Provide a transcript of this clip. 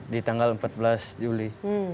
di tanggal empat belas juli